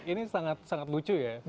ini sangat lucu ya